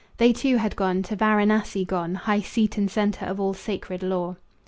They too had gone, to Varanassi gone, High seat and centre of all sacred lore.